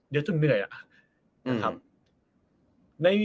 เยอะถึงเหนื่อยอะ